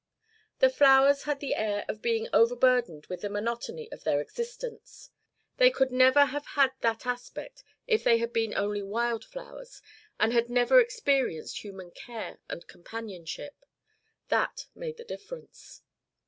The flowers had the air of being overburdened with the monotony of their existence. They could never have had that aspect if they had been only wild flowers and had never experienced human care and companionship. That made the difference.